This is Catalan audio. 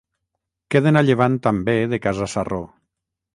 Queden a llevant també de Casa Sarró.